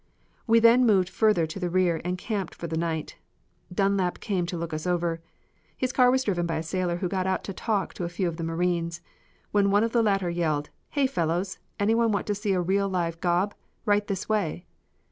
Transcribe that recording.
We then moved further to the rear and camped for the night. Dunlap came to look us over. His car was driven by a sailor who got out to talk to a few of the marines, when one of the latter yelled out, "Hey, fellows! Anyone want to see a real live gob, right this way."